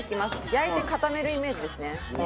焼いて固めるイメージですね。